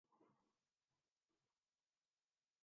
please please میرے بہن بھائیوں مجھے زیادہ سے زیادہ سپورٹ کریں